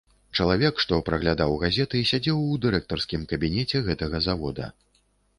Чалавек, што праглядаў газеты, сядзеў у дырэктарскім кабінеце гэтага завода.